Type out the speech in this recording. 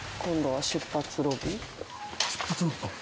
出発ロビーあっ